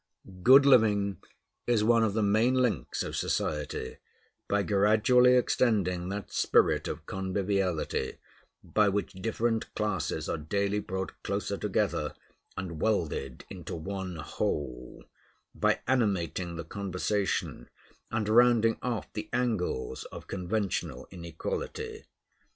Good living is one of the main links of society, by gradually extending that spirit of conviviality by which different classes are daily brought closer together and welded into one whole; by animating the conversation, and rounding off the angles of conventional inequality.